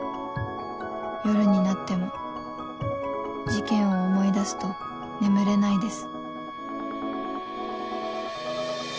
「夜になっても事件を思い出すと眠れないです」